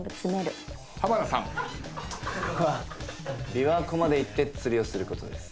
琵琶湖まで行って釣りをすることです。